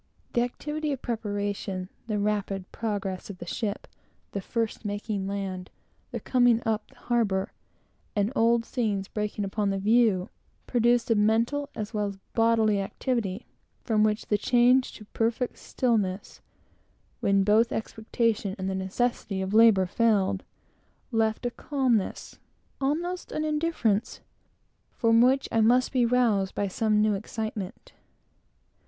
The activity of preparation, the rapid progress of the ship, the first making land, the coming up the harbor, and old scenes breaking upon the view, produced a mental as well as bodily activity, from which the change to a perfect stillness, when both expectation and the necessity of labor failed, left a calmness, almost of indifference, from which I must be roused by some new excitement.